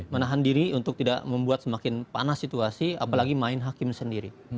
menahan diri untuk tidak membuat semakin panas situasi apalagi main hakim sendiri